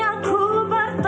aku bertemu dengan cinta